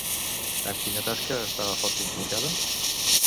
Amb quina tasca estava força implicada?